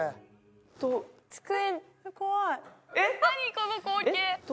この光景。